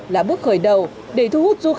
là bước khởi đầu